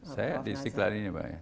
saya di istiqlal ini pak ya